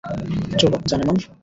চলো, জানেমান।